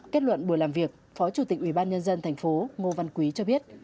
kết luận buổi làm việc phó chủ tịch ủy ban nhân dân thành phố ngô văn quý cho biết